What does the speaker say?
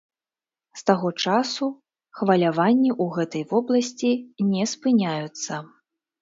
З таго часу хваляванні ў гэтай вобласці не спыняюцца.